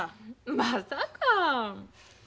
まさか。